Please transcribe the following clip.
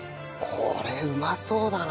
これうまそうだな。